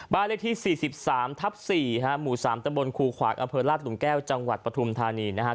บ้านเลขที่๔๓ทับ๔หมู่สามตำบลครูขวางอเภิราชตุ๋มแก้วจังหวัดปฐุมธานีนะฮะ